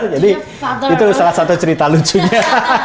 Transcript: jadi itu salah satu cerita lucunya